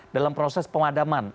dalam proses pemadaman